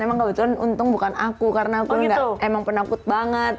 emang kebetulan untung bukan aku karena aku emang penakut banget